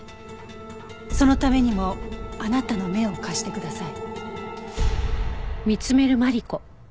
そのためにもあなたの目を貸してください。